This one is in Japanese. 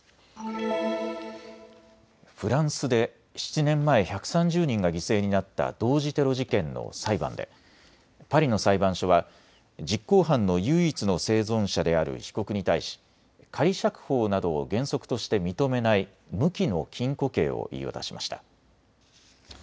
フランスで７年前、１３０人が犠牲になった同時テロ事件の裁判でパリの裁判所は実行犯の唯一の生存者である被告に対し、仮釈放などを原則として認めない無期の禁錮刑を言い渡しました。